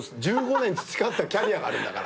１５年培ったキャリアがあるんだから。